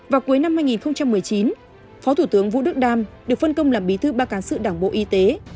vào cuối năm hai nghìn một mươi chín phó thủ tướng vũ đức đam được phân công làm bí thư ban cán sự đảng bộ y tế